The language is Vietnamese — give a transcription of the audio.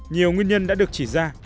nhiều nguyên nhân đã được chỉ ra